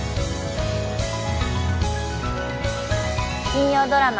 金曜ドラマ